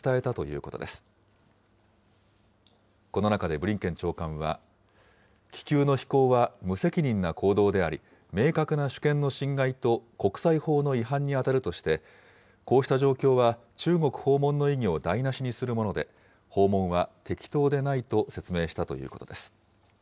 この中でブリンケン長官は、気球の飛行は無責任な行動であり、明確な主権の侵害と国際法の違反に当たるとして、こうした状況は中国訪問の意義を台なしにするもので、訪問は適当でないと説明したということです。